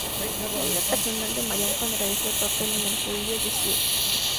La vida personal de Marian contradecía su papel en "El judío Süß".